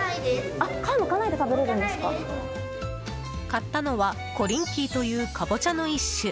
買ったのはコリンキーというカボチャの一種。